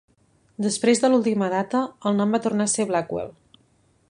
Després de l'última data, el nom va tornar a ser Blackwell.